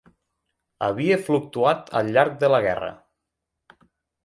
Havia fluctuat al llarg de la guerra